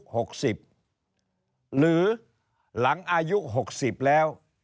หรือหลังอายุ๖๐แล้ว